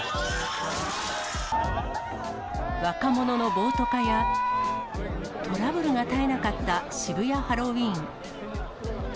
若者の暴徒化や、トラブルが絶えなかった渋谷ハロウィーン。